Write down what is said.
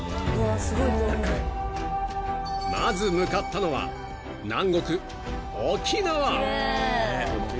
［まず向かったのは南国］